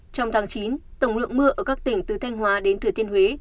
trong tháng chín tổng lượng mưa ở các tỉnh từ thanh hóa đến thừa thiên huế